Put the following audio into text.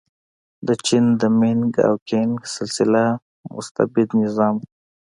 د چین د مینګ او کینګ سلسله مستبد نظام و.